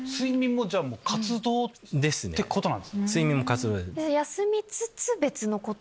睡眠も活動です。